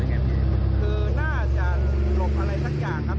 คือน่าจะหลบอะไรสักอย่างครับ